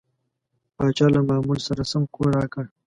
پاچا له معمول سره سم کور راکړ.